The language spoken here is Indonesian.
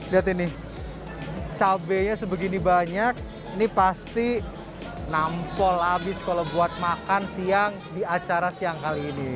lihat ini cabainya sebegini banyak ini pasti nampol habis kalau buat makan siang di acara siang kali ini